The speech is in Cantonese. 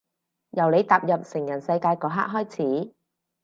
由你踏入成人世界嗰刻開始